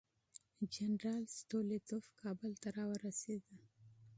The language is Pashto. جنرال ستولیتوف کابل ته راورسېد.